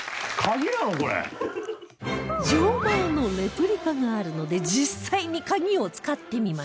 錠前のレプリカがあるので実際にカギを使ってみましょう